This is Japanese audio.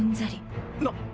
なっ！？